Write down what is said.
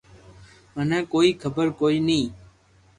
منو ڪوئي خبر ڪوئي ني